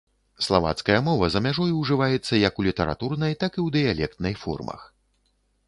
Славацкая мова за мяжой ужываецца як у літаратурнай, так і ў дыялектнай формах.